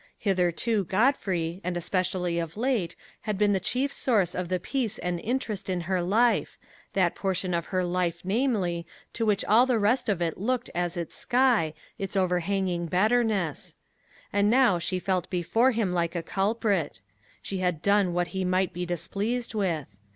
Hitherto Godfrey, and especially of late, had been the chief source of the peace and interest of her life, that portion of her life, namely, to which all the rest of it looked as its sky, its overhanging betterness and now she felt before him like a culprit: she had done what he might be displeased with.